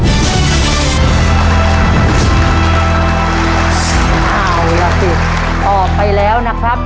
เอาล่ะสิตอบไปแล้วนะครับ